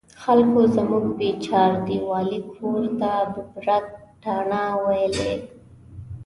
خلکو زموږ بې چاردیوالۍ کور ته ببرک تاڼه ویلې.